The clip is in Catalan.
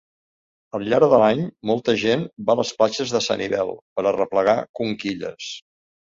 Al llarg de l'any, molta gent va a les platges de Sanibel per arreplegar conquilles.